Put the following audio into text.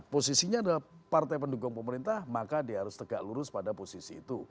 posisinya adalah partai pendukung pemerintah maka dia harus tegak lurus pada posisi itu